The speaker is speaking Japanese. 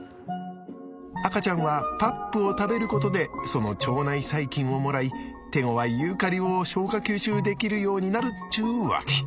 赤ちゃんはパップを食べることでその腸内細菌をもらい手ごわいユーカリを消化吸収できるようになるっちゅうわけ。